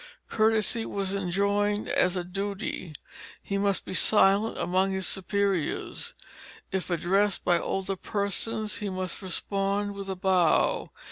Courtesy was enjoined as a duty. He must be silent among his superiors. If addressed by older persons he must respond with a bow.